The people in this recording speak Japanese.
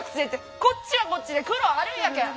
こっちはこっちで苦労あるんやけん。